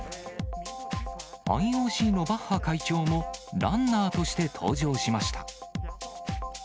ＩＯＣのバッハ会長も、ランナーとして登場しました。